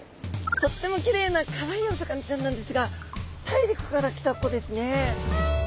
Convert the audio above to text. とってもきれいなかわいいお魚ちゃんなんですが大陸から来た子ですね。